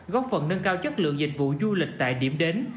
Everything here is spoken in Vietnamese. góp phần nâng cao chất lượng dịch vụ du lịch tại điểm đến